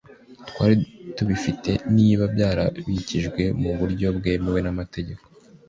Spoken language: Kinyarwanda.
twari tubifite niba byarabikijwe mu buryo bwemewe n'amategeko.